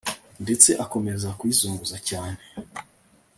ndetse akomeza kuyizunguza cyane